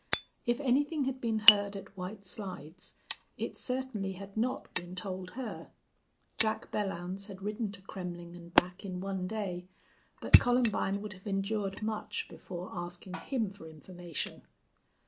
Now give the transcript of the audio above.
If anything had been heard at White Slides it certainly had not been told her. Jack Belllounds had ridden to Kremmling and back in one day, but Columbine would have endured much before asking him for information.